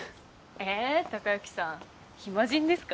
え孝之さん暇人ですか？